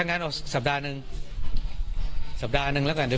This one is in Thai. เพลงที่สุดท้ายเสียเต้ยมาเสียชีวิตค่ะ